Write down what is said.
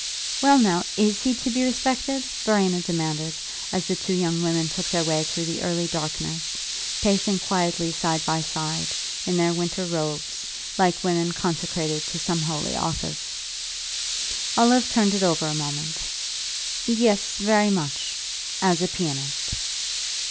"Well, now, is he to be respected?" Verena demanded, as the two young women took their way through the early darkness, pacing quietly side by side, in their winter robes, like women consecrated to some holy office. Olive turned it over a moment. "Yes, very much as a pianist!"